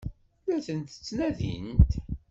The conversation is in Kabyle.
La tent-ttnadint?